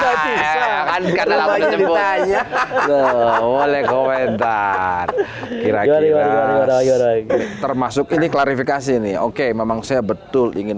bertarung lesat kira kira termasuk ini klarifikasi oke memang saya betul ingin